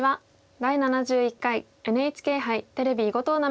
「第７１回ＮＨＫ杯テレビ囲碁トーナメント」です。